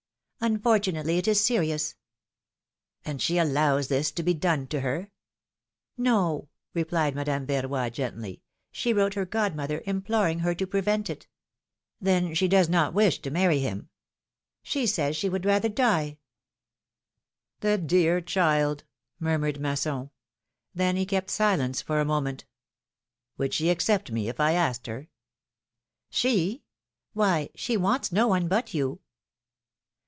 ^^Unfortunately, it is serious." '^And she allows this to be done to her?" 16 250 PHILOMiiNE'S MARRIAGES. " No/' replied Madame Verroy, gently, ^^she wrote her godmother, imploring her to prevent it." Then she does not wish to marry him ?" She says she would rather die." The dear child! " murmured Masson. Then he kept silence for a moment : Would she accept me, if I asked her ?" She ? Why, she wants no one but you."